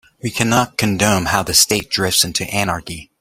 We cannot condone how the state drifts into anarchy.